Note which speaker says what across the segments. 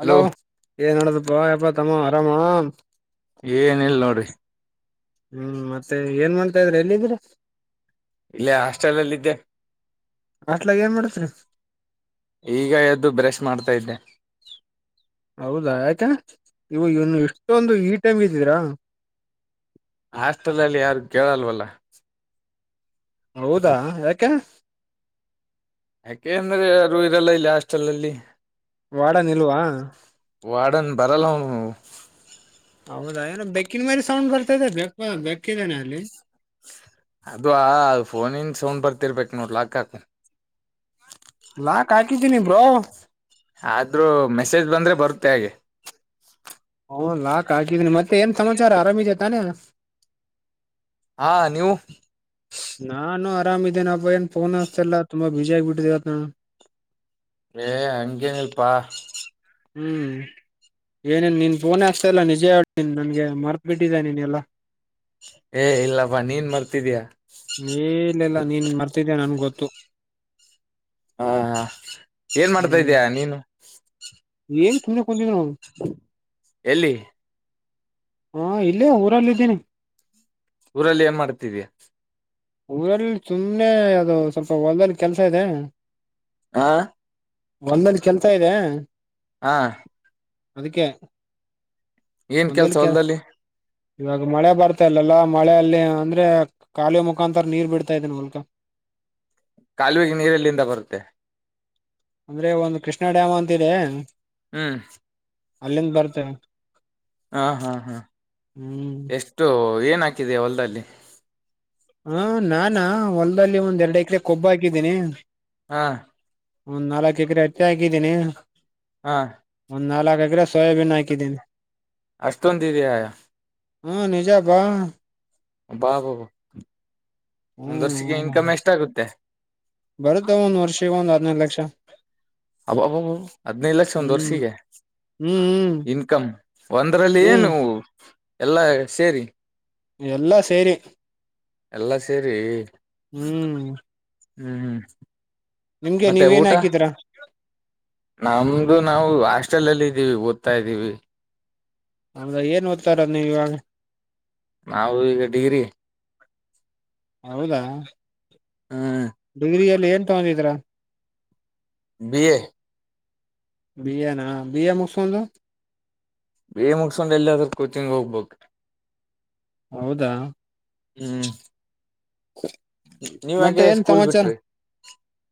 Speaker 1: Hello ಏನ್ನದುಪ್ಪಾ ತಮ್ಮ ಆರಾಮಾ
Speaker 2: ಏನಿಲ್ಲ ನೋಡಿ
Speaker 1: ಹ್ಮ್ ಮತ್ತೆ ಏನ್ ಮಾಡ್ತಾ ಇದ್ರಿ ಎಲ್ಲಿದ್ರಿ
Speaker 2: ಇಲ್ಲೇ ಹಾಸ್ಟೆಲ್ ಅಲ್ಲಿ ಇದ್ದೆ.
Speaker 1: ಹಾಸ್ಟ್ಲಾಗ ಏನ್ ಮಾಡತ್ರಿ
Speaker 2: ಈಗ ಎದ್ದು ಬ್ರಷ್ ಮಾಡ್ತಾ ಇದ್ದೆ.
Speaker 1: ಹೌದಾ ಯಾಕೆ ಇವು ಇವನು ಇಷ್ಟೊಂದು ಈ ಟೈಮ್ ಇದ್ದೀರಾ.
Speaker 2: ಹಾಸ್ಟೆಲ್ ಅಲ್ಲಿ ಯಾರು ಕೇಳಲ್ವಲ್ಲ.
Speaker 1: ಹೌದಾ ಯಾಕೆ
Speaker 2: ಯಾಕೆ ಅಂದ್ರೆ ಯಾರು ಇರಲ್ಲ ಇಲ್ಲಿ ಹಾಸ್ಟೆಲ್ ಅಲ್ಲಿ.
Speaker 1: ವಾರ್ಡನ್ ಇಲ್ವಾ
Speaker 2: ವಾರ್ಡನ್ ಬರಲ್ಲ ಅವನೂ
Speaker 1: ಹೌದಾ ಏನೋ ಬೆಕ್ಕಿನ ಮರಿ ಸೌಂಡ್ ಬರ್ತಾದೆ ಬೆ ಬೆಕ್ಕಿದೇನೆ ಅಲ್ಲಿ.
Speaker 2: ಅದವಾ ಫೋನನ್ ಸೌಂಡ್ ಬರ್ತಿರ್ಬೇಕ್ ನೋಡ್ ಲಾಕ್ ಹಾಕ್
Speaker 1: ಲಾಕ್ ಹಾಕಿದ್ದೀನಿ ಬ್ರೋ.
Speaker 2: ಆದ್ರೂ ಮೆಸೇಜ್ ಬಂದ್ರೆ ಬರುತ್ತೆ ಹಾಗೆ.
Speaker 1: ಓ ಲಾಕ್ ಹಾಕಿದೀನಿ ಮತ್ತೆ ಏನ್ ಸಮಾಚಾರ ಆರಾಮಿದೀಯ ತಾನೇ.
Speaker 2: ಹಾ ನೀವು
Speaker 1: ನಾನು ಆರಾಮ ಇದೇನೆ ಅಬ್ಬ ಏನೋ ಫೋನ್ ಹಚ್ಚಲ್ಲ ತುಂಬಾ ಬಿಜಿ ಆಗ್ ಬಿಟ್ಟಿದಿದೆ ಏನೋ
Speaker 2: ಏ ಹಂಗೇನಿಲ್ಲಪ್ಪ
Speaker 1: ಹ್ಮ್ ಏನೇನ್ ನೀನ್ ಫೋನ್ ಹಚ್ಚತ್ತ ಇಲ್ಲ ನಿಜೇ ಹೇಳ್ತೀನ್ ನನಗೆ ಮರ್ತ್ ಬಿಟ್ಟಿದೆ ನೀನ್ ಎಲ್ಲಾ.
Speaker 2: ಏ ಇಲ್ಲಪ್ಪ ನೀನ್ ಮರ್ತಿದೀಯಾ.
Speaker 1: ಏನೀಲ್ಲ ಇಲ್ಲಾ ನೀನ್ ಮರ್ತಿದ್ದ್ಯಾ ನನ್ ಗೊತ್ತು.
Speaker 2: ಹಾ ಹಾ ಏನ್ ಮಾಡ್ತಾ ಇದೀಯಾ ನೀನು.
Speaker 1: ಏ ಸುಮ್ಮನೆ ಕುಂತ್ತೀದೆ ನೋಡು.
Speaker 2: ಎಲ್ಲಿ
Speaker 1: ಹಾ ಇಲ್ಲೇ ಊರಲ್ಲಿ ಇದ್ದೀನಿ.
Speaker 2: ಊರಲ್ಲಿ ಏನ್ ಮಾಡ್ತ ಇದ್ದೀಯಾ.
Speaker 1: ಊರಲ್ಲಿ ಸುಮ್ಮ್ನೆ ಅದು ಸ್ವಲ್ಪ ಹೊಲ್ದದಲ್ಲಿ ಕೆಲಸ ಇದೆ.
Speaker 2: ಹಾ
Speaker 1: ಹೊಲ್ದದಲ್ಲಿ ಕೆಲಸ ಇದೆ.
Speaker 2: ಹಾ
Speaker 1: ಅದಿಕ್ಕೆ
Speaker 2: ಏನ್
Speaker 1: ಹೊಲ್ದ್
Speaker 2: ಕೆಲ್ಸ
Speaker 1: ಕೆ
Speaker 2: ಹೊಲ್ದಲ್ಲಿ
Speaker 1: ಇವಾಗ ಮಳೆ ಬರ್ತಾ ಇಲ್ಲಲ್ಲಾ ಮಳೆ ಅಲ್ಲಿ ಅಂದ್ರೆ ಕಾಲುವೆ ಮುಖಾಂತರ ನೀರು ಬಿಡ್ತಾ ಇದೇನಿ ಉಲ್ಕಾ
Speaker 2: ಕಾಲುವಿಗೆ ನೀರು ಎಲ್ಲಿಂದ ಬರುತ್ತೆ.
Speaker 1: ಅಂದ್ರೆ ಒಂದು ಕೃಷ್ಣಾ ಡ್ಯಾಮ್ ಅಂತ ಇದೆ.
Speaker 2: ಹ್ಮ
Speaker 1: ಅಲ್ಲಿಂದ ಬರ್ತ
Speaker 2: ಹಾ ಹಾ ಹಾ
Speaker 1: ಹ್ಮ್
Speaker 2: ಎಷ್ಟು ಏನ ಹಾಕಿದೆಯ ಹೊಲ್ದಲ್ಲಿ.
Speaker 1: ಹಾ ನಾನ ಹೊಲ್ದಲ್ಲಿ ಒಂದ್ ಎರಡ ಎಕರೆ ಕೊಬ್ಬ ಹಾಕಿದ್ದೀನಿ.
Speaker 2: ಹಾ
Speaker 1: ಒಂದ್ ನಾಲ್ಕ ಎಕರೆ ಹತ್ತೆ ಹಾಕಿದ್ದೀನಿ.
Speaker 2: ಹಾ
Speaker 1: ಒಂದ ನಾಲ್ಕ ಎಕ್ರೆ ಸೋಯಬೀನ್ ಹಾಕಿದ್ದೀನಿ.
Speaker 2: ಅಷ್ಟೊಂದ ಇದಿಯಾ.
Speaker 1: ಹ್ಮ ನಿಜ ಬಾ
Speaker 2: ಬಾ ಬಾಬ ಒಂದ್ ವರ್ಷಕ್ಕೆ
Speaker 1: ಹ್ಮ್
Speaker 2: ಇನ್ಕಮ್ ಎಷ್ಟ ಆಗತ್ತೆ.
Speaker 1: ಬರುತ್ತೆ ಒಂದ್ ವರ್ಷ ಒಂದ ಹದ್ನೈದ ಲಕ್ಷ.
Speaker 2: ಅಬ್ಬಬ ಹದನೈದ ಲಕ್ಷ ಒಂದ
Speaker 1: ಹ್ಮ್
Speaker 2: ವರ್ಷಿಗೆ
Speaker 1: ಹ್ಮ್ ಹ್ಮ್
Speaker 2: ಇನ್ಕಮ್ ಒಂದ್ರಲ್ಲಿ
Speaker 1: ಹ್ಮ್
Speaker 2: ಏನು ಎಲ್ಲಾ ಸೇರಿ
Speaker 1: ಎಲ್ಲಾ ಸೇರಿ
Speaker 2: ಎಲ್ಲಾ ಸೇರಿ
Speaker 1: ಹ್ಮ
Speaker 2: ಹ್ಮ
Speaker 1: ನಿಮ್ಗೆ
Speaker 2: ಮತ್ತೆ
Speaker 1: ನೀವ ಏನ್
Speaker 2: ಊಟ
Speaker 1: ಹಾಕಿದೀರಾ
Speaker 2: ನಮ್ದು ನಾವು ಹಾಸ್ಟೆಲ್ ಅಲ್ಲಿ ಇದ್ದೀವಿ ಓದ್ತಾ ಇದ್ದೀವಿ.
Speaker 1: ಅಂದ್ರ ಏನ್ ಓದ್ತಾ ಇರೋದ ನೀವ ಇವಾಗ
Speaker 2: ನಾವು ಈಗ ಡಿಗ್ರಿ
Speaker 1: ಹೌದಾ.
Speaker 2: ಹಾ
Speaker 1: ಡಿಗ್ರಿಯಲ್ಲಿ ಏನ್ ತಗೊಂಡಿದಿರಾ.
Speaker 2: ಬಿ ಎ
Speaker 1: ಬಿಯನ ಬಿಯ ಮುಗಸಂದು
Speaker 2: ಬಿ ಎ ಮುಗಸಕೊಂದ ಎಲ್ಲದ್ರ ಕೋಚಿಂಗ್ ಹೋಗ್ಬೇಕ.
Speaker 1: ಹೌದಾ.
Speaker 2: ಹ್ಮ
Speaker 1: [inaudible] ಮತ್ತೆ
Speaker 2: ನಿವಾಗೆ
Speaker 1: ಏನ್
Speaker 2: ಸ್ಕೂಲ್
Speaker 1: ಸಮಾಚಾರ
Speaker 2: ಬಿಟ್ರಿ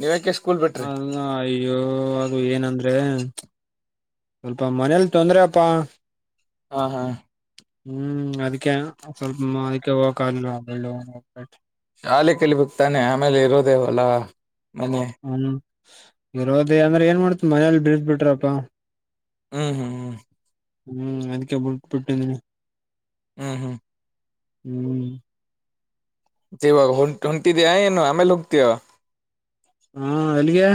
Speaker 2: ನೀವ್ಯಾಕೆ ಸ್ಕೂಲ್ ಬಿಟ್ರಿ.
Speaker 1: ಅಲ್ಲ, ಅಯ್ಯೋ ಅದು ಏನಂದ್ರೆ ಸ್ವಲ್ಪ ಮನೇಲ ತೊಂದ್ರೆ ಅಪ್ಪಾ
Speaker 2: ಹಾ ಹಾ
Speaker 1: ಹ್ಮ ಅದಕ್ಕೆ ಸ್ವಲ್ಪ [unintelligible]
Speaker 2: ಶಾಲಿ ಕಲಿ ಬೆಕ್ತಾನೆ ಆಮೇಲೆ ಇರೋದ ಹೊಲ ಮನಿ
Speaker 1: ಹ್ಮ ಇರೋದೇ ಅಂದ್ರ ಏನ್ ಮಾಡ್ತಿ ಮನೇಲಿ ಬಿದ ಬಿಟ್ರಪ್ಪಾ
Speaker 2: ಹ್ಮ ಹ್ಮ ಹ್ಮ
Speaker 1: ಹ್ಮ ಅದಕೆ ಬಿಟ್ಬ ಬಿಟ್ಟಿನಿ.
Speaker 2: ಹ್ಮ ಹ್ಮ
Speaker 1: ಹ್ಮ
Speaker 2: ಜೀವಗ ಹೊಂಟ ಹೊಂಟಿದ್ಯಾ ಏನ ಆಮೇಲ ಹೋಗ್ತೀಯ.
Speaker 1: ಹಾ ಅಲ್ಲಿಗೆ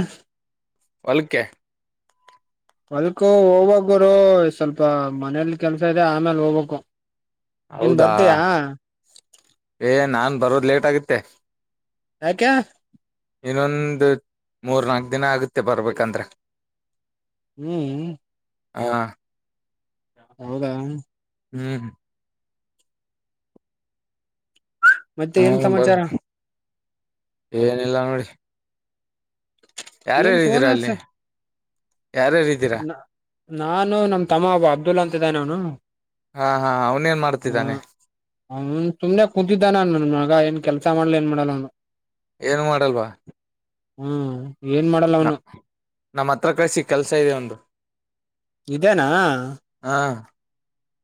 Speaker 2: ಒಲ್ಕೆ
Speaker 1: ಹೊಲ್ಕ ಹೋಗ್ಬೇಕ ಗುರು ಸ್ವಲ್ಪ ಮನೇಲಿ ಕೆಲಸ ಇದೆ ಆಮೇಲ ಹೋಗ್ಬೇಕು. ನೀನ್
Speaker 2: ಹೌದಾ
Speaker 1: ಬರ್ತೀಯಾ
Speaker 2: ಏ ನಾನ ಬರೋದ್ ಲೇಟ್ ಆಗತ್ತೆ.
Speaker 1: ಯಾಕೆ?
Speaker 2: ಇನ್ನೊಂದ್ ಮೂರ್ ನಾಲ್ಕ್ ದಿನ ಆಗುತ್ತೆ ಬರ್ಬೇಕಂದ್ರೆ.
Speaker 1: ಹ್ಮ್ಊ
Speaker 2: ಹಾ
Speaker 1: ಹೌದಾ
Speaker 2: ಹ್ಮ್
Speaker 1: ಮತ್ತೆ
Speaker 2: ಹಾ
Speaker 1: ಏನ್
Speaker 2: ಬ
Speaker 1: ಸಮಾಚಾರ
Speaker 2: ಏನಿಲ್ಲ ನೋಡಿ. ಯಾರ್
Speaker 1: ಏನ್
Speaker 2: ಯಾರ್
Speaker 1: ಫೋನ್
Speaker 2: ಇದ್ದೀರಾ
Speaker 1: ಹಚ್ಚ
Speaker 2: ಅಲ್ಲಿ? ಯಾರ್ ಯಾರ್ ಇದ್ದೀರ
Speaker 1: ನಾನೂ ನಮ್ ತಮ್ಮ ಒಬ್ಬ ಅಬ್ದುಲ್ಲಾ ಅಂತಿದ್ದಾನವನು.
Speaker 2: ಹಾ ಹಾ ಅವ್ನ್ ಏನ್ ಮಾಡ್ತಿದ್ದಾನೆ?
Speaker 1: ಅವ್ನ್ ಸುಮ್ನೆ ಕುಂತಿದ್ದಾನ ನನ್ ಮಗ ಏನ್ ಕೆಲ್ಸ ಮಾಡಲ ಏನ್ ಮಾಡಲ್ಲ ಅವ್ನು.
Speaker 2: ಏನು ಮಾಡಲ್ವಾ?
Speaker 1: ಹ್ಮ್, ಏನ್ ಮಾಡಲ್ಲ ಅವನು.
Speaker 2: ನಮ್ ಹತ್ರ ಕಳಸಿ ಕೆಲ್ಸ ಇದೆ ಒಂದು.
Speaker 1: ಇದೇನಾ?
Speaker 2: ಹಾ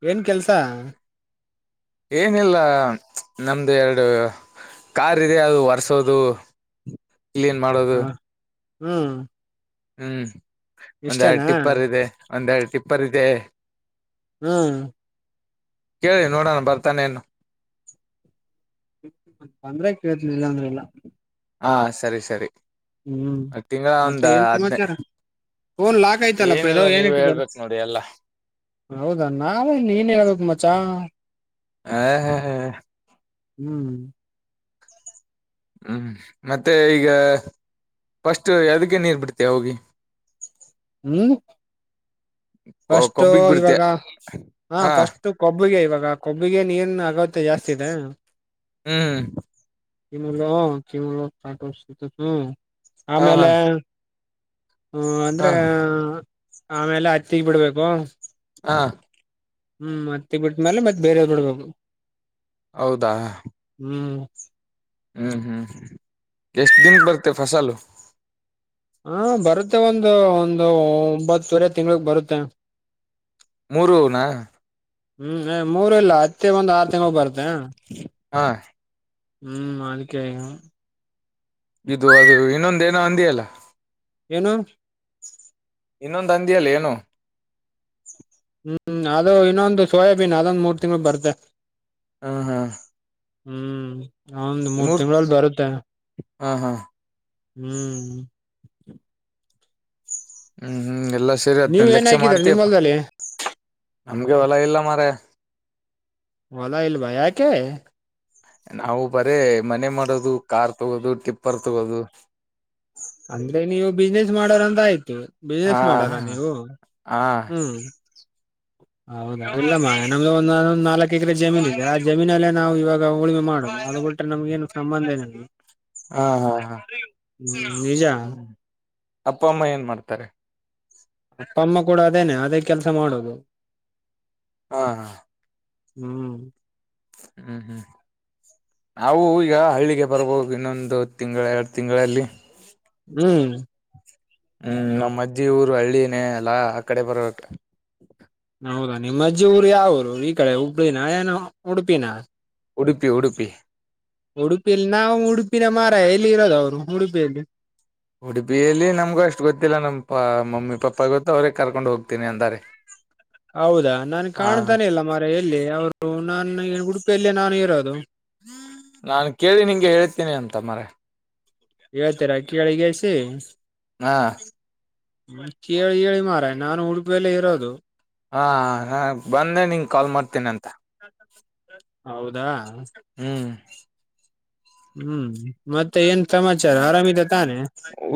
Speaker 1: ಏನ್ ಕೆಲ್ಸ?
Speaker 2: ಏನಿಲ್ಲ, ನಮ್ದ್ ಎರಡು. ಕಾರ್ ಇದೆ ಅದು ವರ್ಸೋದು, ಕ್ಲೀನ್
Speaker 1: ಹ
Speaker 2: ಮಾಡೋದು.
Speaker 1: ಹ್ಮ್
Speaker 2: ಹ್ಮ್, ಒಂದೆರಡ್
Speaker 1: ಇಷ್ಟೇನಾ
Speaker 2: ಟಿಪ್ಪರ್ ಇದೆ ಒಂದೆರಡ್ ಟಿಪ್ಪರ್ ಇದೆ.
Speaker 1: ಹ್ಮ್
Speaker 2: ಕೇಳಿ ನೋಡಣ ಬರ್ತಾನೆನೋ.
Speaker 1: ಬಂದ್ರೆ ಕೇಳ್ತೀನ್ ಇಲ್ಲಾಂದ್ರಇಲ್ಲ.
Speaker 2: ಹಾ ಸರಿ ಸರಿ.
Speaker 1: ಹ್ಮ್,
Speaker 2: ತಿಂಗಳ
Speaker 1: ಮತ್ತೆ
Speaker 2: ಒಂದ್
Speaker 1: ಏನ್
Speaker 2: ಹದ್ನೇ
Speaker 1: ಸಮಾಚಾರ? ಫೋನ್ ಲಾಕ್ ಆಯ್ತಲ್ಲಪ್ಪ ಇದು
Speaker 2: ಏನಿಲ್ಲ
Speaker 1: ಏನ್
Speaker 2: ನೀವೇ
Speaker 1: ಇಟ್ಟಿದಾರ.
Speaker 2: ಹೇಳ್ಬೇಕ್ ನೋಡಿ ಎಲ್ಲಾ
Speaker 1: ಹೌದಾ ನಾವೇನ್ ನೀನ್ ಹೇಳ್ ಬೇಕು ಮಚ್ಚಾ.
Speaker 2: ಆ ಹಾ ಹಾ
Speaker 1: ಹ್ಮ್
Speaker 2: ಹ್ಮ್ ಮತ್ತೆ ಈಗ ಫಸ್ಟು ಯಾವ್ದಕ್ಕೆ ನೀರ್ ಬಿಡ್ತೀಯಾ ಹೋಗಿ?
Speaker 1: ಹ್ಮ್ಊ ಫಸ್ಟು
Speaker 2: ಕೊಬ್ಬಿಗ್ ಬಿಡ್ತಯ
Speaker 1: ಇವಾಗ ಹ
Speaker 2: ಹಾ
Speaker 1: ಫಸ್ಟ್ ಕೊಬ್ಬಿಗೆ ಇವಾಗ ಕೊಬ್ಬಿಗೆ ನೀರ್ನ ಅಗತ್ಯ ಜಾಸ್ತಿ ಇದೆ.
Speaker 2: ಹ್ಮ್
Speaker 1: [unintelligible] [unintelligible]
Speaker 2: ಹ ಹಾ
Speaker 1: ಆಮೇಲೆ. ಊಂ ಅಂದ್ರೆ,
Speaker 2: ಹ
Speaker 1: ಆಮೇಲೆ ಹತ್ತೀಗ್ ಬಿಡ್ಬೇಕೂ.
Speaker 2: ಹಾ
Speaker 1: ಹ್ಮ್ ಹತ್ತಿಗ್ ಬಿಟ್ಟ್ಮೇಲೆ ಮತ್ತೆ ಬೇರೆವ್ ಬಿಡ್ಬೇಕು.
Speaker 2: ಹೌದಾ
Speaker 1: ಹ್ಮ್
Speaker 2: ಹ್ಮ್ ಹ್ಮ್ ಎಷ್ಟ್ ದಿನಕ್ ಬರ್ತೆ ಫಸಲು?
Speaker 1: ಹಾ ಬರುತ್ತೆ ಒಂದು ಒಂದು ಒಂಬತ್ತುವರೆ ತಿಂಗಳಗ್ ಬರುತ್ತೆ.
Speaker 2: ಮೂರೂನಾ?
Speaker 1: ಹ್ಮ್ ಏ ಮೂರು ಇಲ್ಲ ಹತ್ತಿ ಒಂದ್ ಆರ್ ತಿಂಗಳಗ್ ಬರುತ್ತೆ.
Speaker 2: ಹಾ
Speaker 1: ಹ್ಮ್ ಅದಿಕೆ ಹಿಂ
Speaker 2: ಇದು ಅದು ಇನ್ನೊಂದ ಏನೋ ಅಂದಿಯಲ್ಲ.
Speaker 1: ಏನು.
Speaker 2: ಇನ್ನೊಂದ್ ಅಂದಿಯಲ್ಲ ಏನೊ.
Speaker 1: ಹ್ಮ್ ಅದು ಇನ್ನೊಂದು ಸೋಯಾಬೀನ್ ಅದೊಂದ್ ಮೂರ್ ತಿಂಗ್ಳು ಬರ್ತ್ತೆ.
Speaker 2: ಹಾ ಹಾ
Speaker 1: ಹ್ಮ್ ಒಂದ್ ಮೂರ್ ತಿಂಗ್ಳಲ್ ಬರುತ್ತೆ.
Speaker 2: ಹಾ ಹಾ
Speaker 1: ಹ್ಮ್
Speaker 2: ಹ್ಮ್ ಹ್ಮ್ ಎಲ್ಲ ಸೇರಿ
Speaker 1: ನೀವ್
Speaker 2: ಹದ್ನೈದ್
Speaker 1: ಏನ್
Speaker 2: ಲಕ್ಷ
Speaker 1: ಹಾಕಿದೀರ ನಿಮ್
Speaker 2: ಮಾಡ್ತಯಪ್ಪಾ
Speaker 1: ಹೊಲ್ದಲ್ಲಿ
Speaker 2: ನಮ್ಗೆ ಹೊಲ ಇಲ್ಲ ಮಾರಾಯ.
Speaker 1: ಹೊಲಾ ಇಲ್ವಾ ಯಾಕೆ.
Speaker 2: ನಾವು ಬರೇ ಮನೆ ಮಾಡೋದು ಕಾರ್ ತೊಗೋದು ಟಿಪ್ಪರ್ ತೊಗೋದು.
Speaker 1: ಅಂದ್ರೆ ನೀವು ಬಿಸ್ನೆಸ್ ಮಾಡರ ಅಂತ ಆಯ್ತು ಬಿಸ್ನೆಸ್ ಮಾಡರ ನೀವು.
Speaker 2: ಹಾಂ
Speaker 1: ಹ ಹೌದಾ ಇಲ್ಲಮ ನಮ್ದು ಒಂದ್ ನಾ ನಾಲ್ಕು ಎಕರೆ ಜಮೀನ್ ಇದೆ ಆ ಜಮೀನಲ್ಲೇ ನಾವು ಇವಾಗ ಉಳಿಮೆ ಮಾಡುವ. ಆ ನಮ್ಗೇನು ಸಂಬಂಧ ಇಲ್ಲ.
Speaker 2: ಹಾ ಹಾ ಹಾ
Speaker 1: ಹ್ಮ್ ನಿಜ
Speaker 2: ಹ್ಮ್ ಅಪ್ಪ ಅಮ್ಮ ಏನ್ ಮಾಡ್ತಾರೆ.
Speaker 1: ಅಪ್ಪಮ್ಮ ಕೂಡ ಅದೇನೆ ಅದೇ ಕೆಲಸ ಮಾಡೋದು.
Speaker 2: ಹಾ ಹಾ
Speaker 1: ಹ್ಮ್
Speaker 2: ಹ್ಮ್ ಹ್ಮ್ ನಾವು ಈಗ ಹಳ್ಳಿಗೆ ಬರ್ಬಹುದು ಇನ್ನೊಂದು ತಿಂಗಳ ಎರಡು ತಿಂಗಳಲ್ಲಿ.
Speaker 1: ಹ್ಮ್
Speaker 2: ಹ್ಮ್ ನಮ್ ಅಜ್ಜಿ ಊರು ಹಳ್ಳಿನೇ ಅಲಾ ಆ ಕಡೆ ಬರ್ಬೇಕು.
Speaker 1: ಹೌದಾ ನಿಮ್ಮಜ್ಜಿ ಊರು ಯಾವೂರು ಈ ಕಡೆ ಹುಬ್ಳಿನ ಏನ ಉಡುಪಿನ.
Speaker 2: ಉಡುಪಿ ಉಡುಪಿ.
Speaker 1: ಉಡುಪಿಯಲ್ ನಾವು ಉಡುಪಿನೆ ಮಾರಾಯ್ ಎಲ್ಲಿ ಇರೋದು ಅವ್ರು ಉಡುಪಿಯಲ್ಲಿ.
Speaker 2: ಉಡುಪಿಯಲ್ಲಿ ನಮ್ಗೂ ಅಷ್ಟ್ ಗೊತ್ತಿಲ್ಲ ನಮ್ಮ ಮಮ್ಮಿ ಪಪ್ಪಾ ಗೊತ್ತು ಅವ್ರೇ ಕರ್ಕೊಂಡ್ ಹೋಗ್ತೀನಿ ಅಂದಾರೆ.
Speaker 1: [unintelligible] ಹೌದಾ ನನಗ್
Speaker 2: ಹಾ
Speaker 1: ಕಾಣ್ತಾನೆ ಇಲ್ಲ ಮಾರಾಯ್ ಎಲ್ಲಿ ಅವರು ನಾನ ಉಡುಪಿಯಲ್ಲಿ ನಾನು ಇರೋದು.
Speaker 2: ನಾನ್ ಕೇಳಿ ನಿಂಗೆ ಹೇಳ್ತೀನಿ ಅಂತ ಮಾರಾಯ್.
Speaker 1: ಏಷ್ಟರ ಕೇಳಿಗೇಶಿ.
Speaker 2: ಹಾ
Speaker 1: ಕೇಳಿ ಹೇಳಿ ಮಾರಾಯ ನಾನು ಉಡುಪಿಯಲ್ಲಿ ಇರೋದು.
Speaker 2: ಹಾಂ ಹ ಬಂದ ನಿಂಗ್ ಕಾಲ್ ಮಾಡ್ತೀನಂತ.
Speaker 1: ಹೌದಾ.
Speaker 2: ಹ್ಮ್
Speaker 1: ಹ್ಮ್ ಮತ್ತೆ ಏನ್ ಸಮಾಚಾರ ಆರಾಮಿದೆ ತಾನೇ.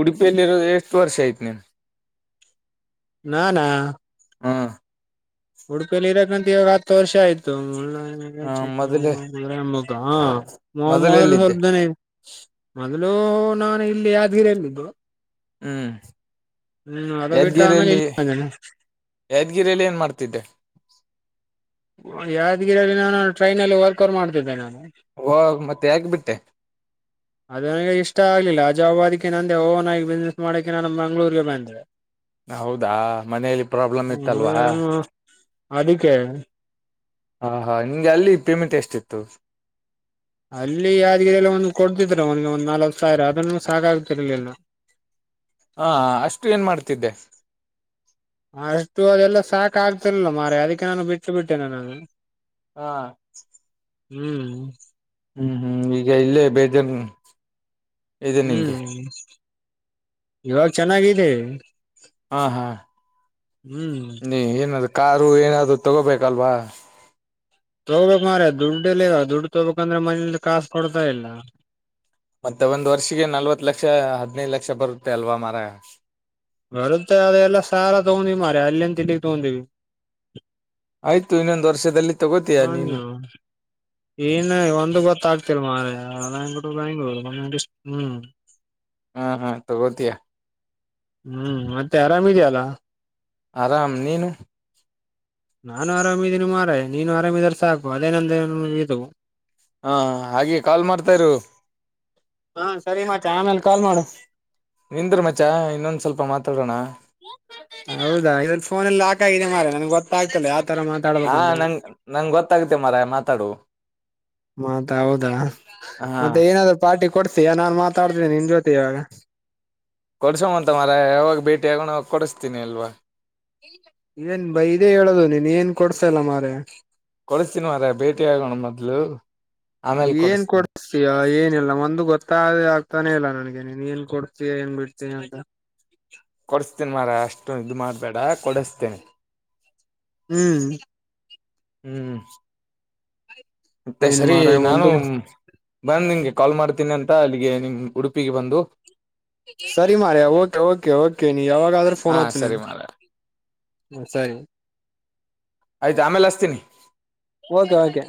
Speaker 2: ಉಡುಪಿಯಲ್ಲಿರೋದು ಎಷ್ಟು ವರ್ಷ ಆಯ್ತು ನೀನ್.
Speaker 1: ನಾನಾ
Speaker 2: ಹಾ
Speaker 1: ಉಡುಪಿಯಲ್ಲಿ ಇರಕಂತ ಇವಾಗ ಹತ್ತು ವರ್ಷ ಆಯ್ತು ಮುಳ್ಳ.
Speaker 2: ಹ ಮೊದಲೇ
Speaker 1: ಮ್ಮ ಗಾ.
Speaker 2: ಮೊದಲೆಲ್ಲಿದ್ದೆ
Speaker 1: [unintelligible] ಮೊದ್ಲು ನಾನು ಇಲ್ಲಿ ಯಾದಗಿರಿಯಲ್ಲಿದ್ದೆ.
Speaker 2: ಹ್ಮ್
Speaker 1: ಹ್ಮ್ ಅದ ಬಿಟ್ಟ ಆಮೇಲೆ
Speaker 2: ಯಾದಗಿರಿಯಲ್ಲಿ
Speaker 1: ಇಲ್ಲಿ ಬಂದೆನಾ.
Speaker 2: ಯಾದಗಿರಿಯಲ್ಲಿ ಏನ್ ಮಾಡ್ತಿದ್ದೆ
Speaker 1: ಯಾದಗಿರಿಲ್ಲಿ ನಾನು ಟ್ರೈನ್ ಲ್ಲಿಯೇ ವರ್ಕಟ್ ಮಾಡ್ತಿದ್ದೆ ನಾನು
Speaker 2: ಓ ಮತ್ತೆ ಯಾಕ ಬಿಟ್ಟೆ
Speaker 1: ಅದು ನನಗೆ ಇಷ್ಟ ಆಗ್ಲಿಲ್ಲ ಆ ಜವಾಬ್ ಅದಕ್ಕೆ ನಂದೇ ಓವನ್ ಆಗಿ ಬಿಸ್ನೆಸ್ ಮಾಡಕೆ ನಾನು ಮಂಗಳೂರಿಗೆ ಬಂದೆ
Speaker 2: ಹೌದಾ ಮನೇಲಿ ಪ್ರಾಬ್ಲಮ್ ಇತ್ತಲ್ವಾ
Speaker 1: ಹ್ಮ್, ಅದಕ್ಕೆ
Speaker 2: ಹಾ ಹಾ ನಿಮ್ಗೆ ಅಲ್ಲಿ ಪೇಮೆಂಟ್ ಎಷ್ಟಿತ್ತು
Speaker 1: ಅಲ್ಲಿ ಯಾದಗಿರಿ ಅಲ್ಲಿ ಒಂದು ಕೊಡ್ತಿದರ ಒಂದ್ ಒಂದ್ ನಾಲವತ್ ಸಾವಿರ ಅದನ್ನ ಸಾಕಾಗ್ತಿರ ಇಲ್ಲೆಲ್ಲ
Speaker 2: ಹಾ ಅಷ್ಟು ಏನ್ ಮಾಡ್ತಿದ್ದೆ
Speaker 1: ಅ ಅಷ್ಟು ಅದೆಲ್ಲಾ ಸಾಕ ಆಗ್ತಿರಲ್ಲಾ ಮಾರಾಯಾ ಅದಕ್ಕೆ ನಾನು ಬಿಟ್ಟ ಬಿಟ್ಟೇನೆ ನಾನು
Speaker 2: ಹಾ
Speaker 1: ಹುಂ
Speaker 2: ಹುಂ ಹುಂ ಈಗ ಇಲ್ಲೇ ಬೇಜಾ
Speaker 1: ಹುಂ ಇವಾಗ ಚೆನ್ನಾಗಿದೆ
Speaker 2: ಹಾ ಹಾ
Speaker 1: ಹುಂ
Speaker 2: ನೀ ಏನದ ಕಾರು ಏನಾದರು ತೊಗೋಬೇಕಲ್ವಾ
Speaker 1: ತಗೋಬೇಕ ಅಂದರೇ ಮಾರಾಯಾ ದುಡ್ಡ ಇಲ್ಲಿವ ದುಡ್ಡು ತಗೋಬೇಕಂದ್ರೆ ಮನೇಲಿ ಕಾಸು ಕೊಡ್ತಾ ಇಲ್ಲಾ
Speaker 2: ಮತ್ತೆ ಒಂದ್ ವರ್ಷಿಗೆ ನಲ್ವತ್ತು ಲಕ್ಷ ಹದಿನೈದು ಲಕ್ಷಾ ಬರುತ್ತೆ ಅಲ್ವಾ ಮರಾಯಾ
Speaker 1: ಬರುತ್ತೆ ಅದೆಲ್ಲೂ ಸಾಲ ತಗೊಂಡಿವಿ ಮಾರಾಯಾ ಅಲ್ಲಿಂತ ಇಲ್ಲಿಗ್ ತಗೊಂಡಿವಿ
Speaker 2: ಆಯ್ತು ಇನ್ನೊಂದು ವರ್ಷದಲ್ಲಿ ತಗೋತೀಯ ನೀನು
Speaker 1: [unintelligible] ಏನ್ ಒಂದು ಗೊತ್ತಾಗ ಆಗ್ತಿಲ್ಲ ಮಾರಯಾ [unintelligible]
Speaker 2: ಹಾ ಹಾ ತಗೋತಿಯಾ
Speaker 1: ಹಾ ಮತ್ತೆ ಆರಾಮ್ ಇದ್ಯಾಯಲ್ಲಾ
Speaker 2: ಆರಾಮ ನೀನು
Speaker 1: ನಾನು ಆರಾಮಿದೀನಿ ಮಾರಯಾ ನೀನು ಆರಾಮಿದ್ರ ಸಾಕು ಅದೇ [unintelligible] ಇದು
Speaker 2: ಹಾಂ ಹಾಗೆ ಕಾಲ್ ಮಾಡ್ತಾ ಇರು
Speaker 1: ಹಾ ಸರಿ ಮತ್ತೆ ಆಮೇಲ ಕಾಲ್ ಮಾಡು
Speaker 2: ನಿಂದ್ರ ಮಚ್ಚಾ ಇನ್ನೊಂದ ಸ್ವಲ್ಪ ಮಾತಾಡೋಣ
Speaker 1: ಹೌದಾ ಇದಲ್ಲಿ ಫೋನಲ್ಲಿ ಲಾಕ್ ಆಗಿದೆ ಮಾರಾಯಾ ನಂಗೆ ಗೊತ್ತಾಗ್ತಿಲ್ಲ ಯಾವ ತರಾ ಮಾ
Speaker 2: ಹಾ ನಂಗ ನಂಗ ಗೊತ್ತಾಗತೆ ಮಾರಾಯಾ ಮಾತಾಡು
Speaker 1: ಮತ್ ಹೌದಾ
Speaker 2: ಹಾ
Speaker 1: ಮತ್ತೆ ಏನಾದ್ರು ಪಾರ್ಟಿ ಕೊಡ್ತೀಯಾ ನಾನ್ ಮಾತಾಡ್ತೀನಿ ನಿನ್ ಜೊತೆ ಇವಾಗ
Speaker 2: ಕೊಡಸುವಂತ ಮಾರಾಯಾ ಯಾವಾಗ ಭೇಟಿ ಆಗೋಣ ಆವಾಗ ಕೊಡಸ್ತೀನಿ ಅಲ್ವಾ
Speaker 1: ಏನ್ ಬೈ ಇದೇ ಹೇಳೋದು ನೀನ್ ಏನ್ ಕೊಡ್ಸಲಾ ಮಾರಾಯಾ
Speaker 2: ಕೊಡಿಸ್ತೀನ್ ಮಾರಾಯ ಭೇಟಿ ಆಗೋಣ ಮೊದ್ಲು ಆಮೇಲೆ
Speaker 1: ಏನ್
Speaker 2: ಕೊಡಿಸ್ತೀನಿ
Speaker 1: ಕೊಡ್ಸತಿ ಏನಿಲ್ಲಾ ಒಂದು ಗೊತ್ತಾದೇ ಆಗ್ತಾನೆ ಇಲ್ಲಾ ನನ್ಗೆ ನೀನ್ ಏನ್ ಕೊಡ್ತೀ ಏನ್ ಬಿಡ್ತ ಅಂತಾ
Speaker 2: ಕೊಡಿಸ್ತೀನಿ ಮಾರಾಯಾ ಅಷ್ಟು ಇದು ಮಾಡಬೇಡಾ ಕೊಡಿಸ್ತೀನಿ
Speaker 1: ಹುಂ
Speaker 2: ಹುಂ ಮತ್ತೆ
Speaker 1: ಏನ್
Speaker 2: ಸರಿ
Speaker 1: ಮಾರಾಯ
Speaker 2: ನಾನು
Speaker 1: ಒಂದು
Speaker 2: ಬಂದ ನಿನ್ಗ ಕಾಲ್ ಮಾಡ್ತೀನಿ ಅಂತಾ ಅಲ್ಲಿಗೆ ನಿಮ್ ಉಡುಪಿಗೆ ಬಂದು
Speaker 1: ಸರಿ ಮಾರೆಯಾ ಓಕೆ ಓಕೆ ಓಕೆ ನೀ ಯಾವಾಗಾದ್ರೆ
Speaker 2: ಹಾ
Speaker 1: ಫೋನ್ ಹಚ್ಚ ನೀನ್
Speaker 2: ಸರಿ ಮಾರಾಯ
Speaker 1: ಸರಿ
Speaker 2: ಆಯ್ತ ಆೇಲೆ ಅಚ್ತನಿ.
Speaker 1: Okay okay.